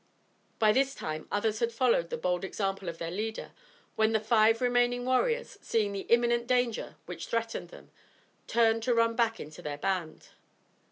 By this time others had followed the bold example of their leader, when the five remaining warriors, seeing the imminent danger which threatened them, turned to run back into their band.